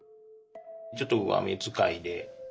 ちょっと上目づかいで。